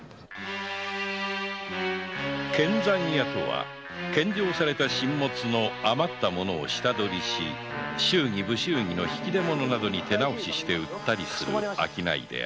献残屋とは献上された進物の余った物を下取りし祝儀・不祝儀の引き出物に手直しして売ったりする商いである